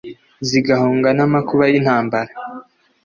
zigahunga n’amakuba y’intambara.